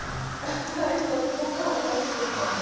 最初はすごく恥ずかしくって。